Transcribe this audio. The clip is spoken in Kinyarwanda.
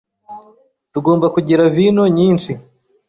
Tugomba kugira vino nyinshi.